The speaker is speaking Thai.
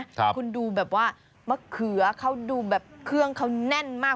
คุณดูแบบว่ามะเขือเขาดูแบบเครื่องเขาแน่นมาก